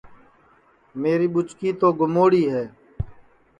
میری ٻُچکی تو گموڑی ہے